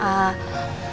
ya udah gini gini